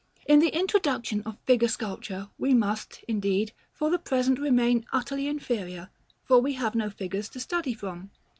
In the introduction of figure sculpture, we must, indeed, for the present, remain utterly inferior, for we have no figures to study from.